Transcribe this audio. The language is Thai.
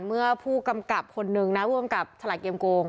เมื่อผู้กำกับคนหนึ่งนะผู้กำกับฉลาดเกมโกง